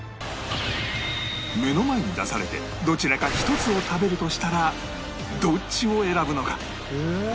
目の前に出されてどちらか１つを食べるとしたらどっちを選ぶのか？